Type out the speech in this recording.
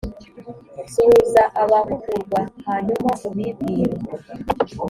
suhuza abahugurwa hanyuma ubibwire